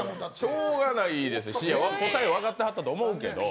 しようがないですね、答え、分かってはったと思うけれども。